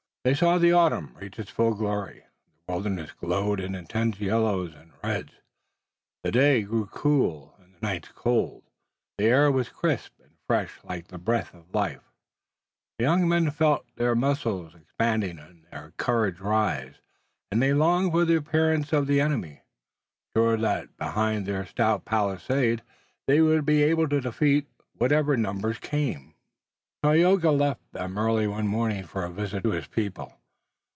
They saw the autumn reach its full glory. The wilderness glowed in intense yellows and reds. The days grew cool, and the nights cold, the air was crisp and fresh like the breath of life, the young men felt their muscles expand and their courage rise, and they longed for the appearance of the enemy, sure that behind their stout palisade they would be able to defeat whatever numbers came. Tayoga left them early one morning for a visit to his people.